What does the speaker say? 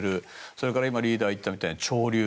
それから今リーダーが言ったみたいに潮流